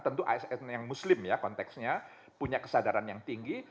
tentu asn yang muslim ya konteksnya punya kesadaran yang tinggi